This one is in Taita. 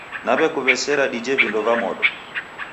Naw'akuw'esera dije vindo va modo.